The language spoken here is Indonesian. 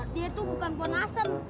dia tuh bukan poin asem